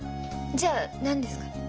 じゃあ何ですか？